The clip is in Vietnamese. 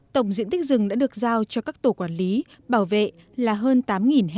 tổng diện tích rừng đã được giao cho các tổ quản lý bảo vệ là hơn tám ha